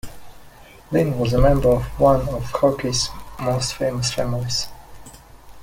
Lynn was a member of one of hockey's most famous families.